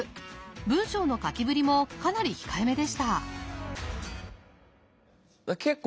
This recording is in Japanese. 文章の書きぶりもかなり控えめでした。